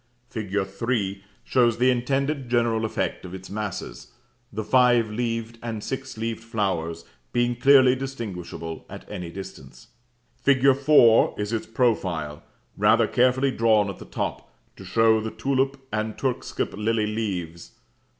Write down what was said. Fig. 3 shows the intended general effect of its masses, the five leaved and six leaved flowers being clearly distinguishable at any distance. Fig. 4 is its profile, rather carefully drawn at the top, to show the tulip and turkscap lily leaves.